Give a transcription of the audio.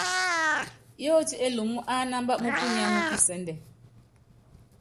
Yóoti Elumú ánámb múkunyá mú kisɛ́ndɛ.